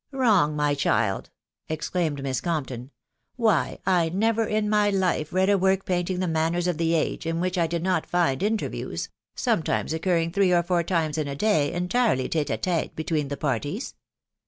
" Wrong, my child !" exclaimed Miss Compton; " why, I never 'in my life read a work painting the manners of the age in which I did not find interviews, sometimes occurring three or four times in a day, entirely t$te ct, tite9 between the parties."